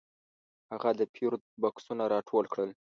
هغه د پیرود بکسونه راټول کړل.